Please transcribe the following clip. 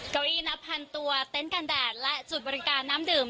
เกาอีน๑๐๐๐ตัวเต้นกันแดดและจุดบริการน้ำดื่ม